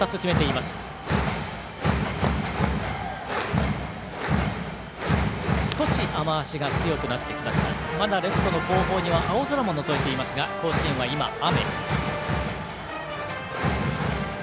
まだレフトの後方には青空ものぞいていますが甲子園は今、雨。